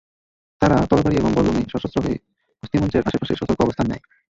তারা তরবারি এবং বল্লমে সশস্ত্র হয়ে কুস্তিমঞ্চের আশেপাশে সতর্ক অবস্থান নেয়।